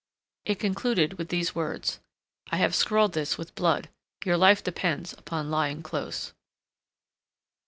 It concluded with these words: "_I have scrawled this with blood—your life depends upon lying close.